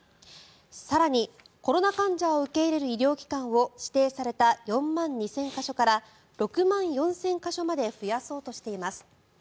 更に、コロナ患者を受け入れる医療機関を、指定された４万２０００か所から６万４０００か所まで増やそうとしています。